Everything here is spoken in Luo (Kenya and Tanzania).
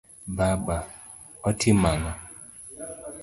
Baba:otimo ang'o?